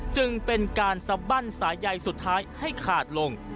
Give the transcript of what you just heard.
จึงเป็นการสบั้นสายใยสุดท้ายให้ขาดลง